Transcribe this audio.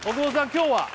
今日は？